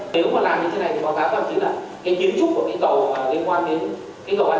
nếu mà làm như thế này thì báo cáo bảo chí là cái kiến trúc của cái cầu liên quan đến cái cầu an dương nó sẽ đẹp và nó sẽ cất